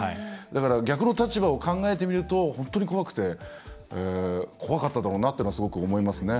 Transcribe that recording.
逆の立場を考えてみると、本当に怖かっただろうなっていうのはすごく思いますね。